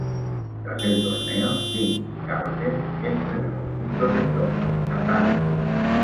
Tras el torneo, Ding y Carlsen entrenaron juntos en Doha, Catar.